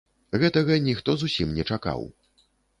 Гэтага ніхто зусім не чакаў.